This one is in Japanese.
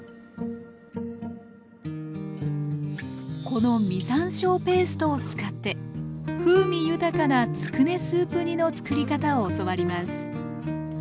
この実山椒ペーストを使って風味豊かなつくねスープ煮の作り方を教わります。